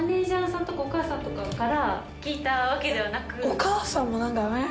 お母さんも何か。